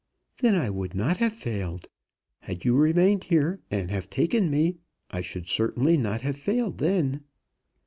"Then I would not have failed. Had you remained here, and have taken me, I should certainly not have failed then."